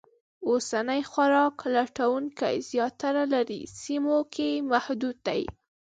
اوسني خوراک لټونکي زیاتره لرې سیمو کې محدود دي.